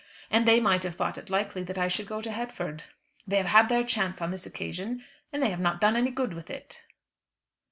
And they might have thought it likely that I should go to Headford. They have had their chance on this occasion, and they have not done any good with it."